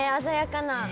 鮮やかな。